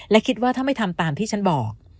อย่าทำตามที่ฉันบอก